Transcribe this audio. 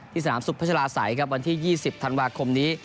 ที่สนามสุภาชาลาศัยวันที่๒๐ธันวาคมนี้